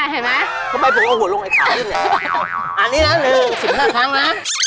เออทำไมผมเอาหัวลงไอ้ขาอยู่เนี่ยอันนี้นะ๑๕ครั้งนะ